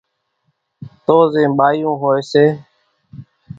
تو زين ٻايون ھوئي سي